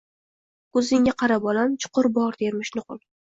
«Ko‘zingga qara, bolam, chuqur bor», dermish nuqul.